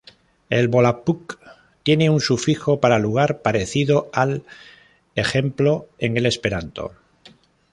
El volapük tiene un sufijo para lugar, parecido al "-ej-" en el Esperanto.